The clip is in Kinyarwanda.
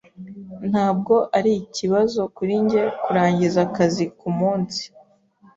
Ntabwo ari ikibazo kuri njye kurangiza akazi kumunsi.